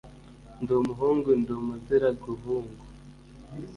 Ndi umuhungu ndi umuziraguhungu